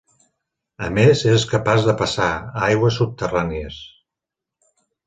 A més és capaç de passar a aigües subterrànies.